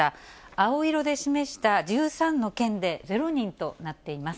青色で示した１３の県で０人となっています。